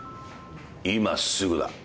今すぐだ。